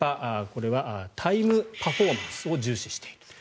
これはタイムパフォーマンスを重視している。